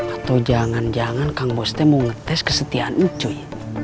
atau jangan jangan kang bos mau ngetes kesetiaanmu cuy